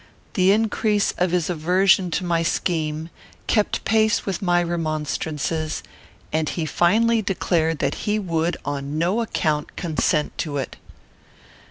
The increase of his aversion to my scheme kept pace with my remonstrances, and he finally declared that he would, on no account, consent to it.